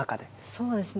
そうですね。